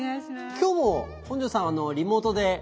今日も本上さんはリモートで。